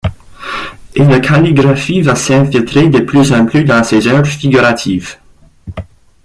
Et la calligraphie va s'infiltrer de plus en plus dans ses œuvres figuratives.